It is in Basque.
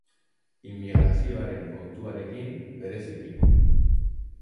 Immigrazioaren kontuarekin, bereziki.